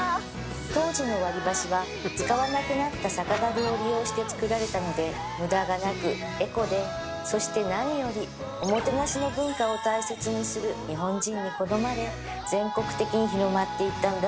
当時の割り箸は使わなくなった酒だるを利用して作られたので無駄がなくエコでそして何よりおもてなしの文化を大切にする日本人に好まれ全国的に広まっていったんだと思います